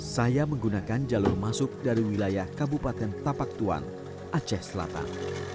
saya menggunakan jalur masuk dari wilayah kabupaten tapaktuan aceh selatan